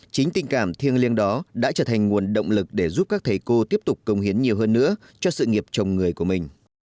chính tình cảm thiêng liêng đó đã trở thành nguồn động lực để giúp các thầy cô tiếp tục công hiến nhiều hơn nữa cho sự nghiệp chồng người của mình